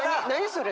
それ。